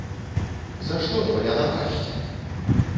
За што твая напасць?!.